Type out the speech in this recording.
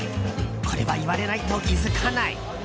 これは言われないと気づかない！